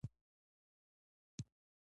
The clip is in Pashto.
افغانستان د خپل هرات ولایت ښه کوربه دی.